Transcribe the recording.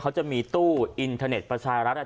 เขาจะมีตู้อินเทอร์เน็ตประชายรักษ์เนี่ย